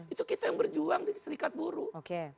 itu kita yang berjuang di serikat buruh